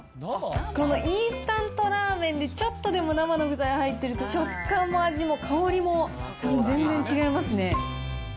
このインスタントラーメンでちょっとでも生の具材入ってると、食感も味も香りも多分全然違いますね。